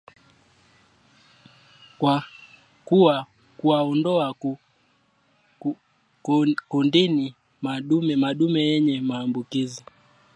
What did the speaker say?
Kuwaondoa kundini madume yenye maambukizi